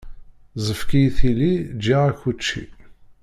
Ẓefk-iyi tili, ǧǧiɣ-ak učči!